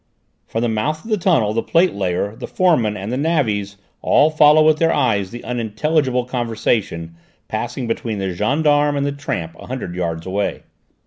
From the mouth of the tunnel the plate layer, the foreman and the navvies all followed with their eyes the unintelligible conversation passing between the gendarme and the tramp a hundred yards away.